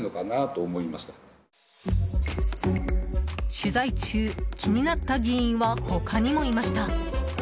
取材中、気になった議員は他にもいました。